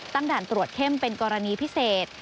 ด่านตรวจเข้มเป็นกรณีพิเศษ